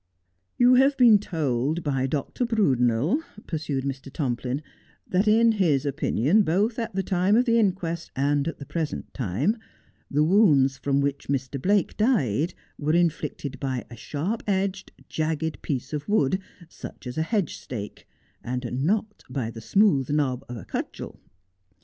' You have been told by Dr. Brudenel,' pursued Mr. Tomplin, ' that in his opinion, both at the time of the inquest and at the present time, the wounds from which Mr. Blake died were in flicted by a sharp edged, jagged piece of wood, such as a hedge stake, and not by the smooth knob of a cudgel.